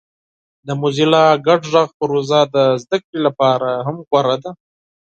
د موزیلا ګډ غږ پروژه د زده کړې لپاره هم غوره ده.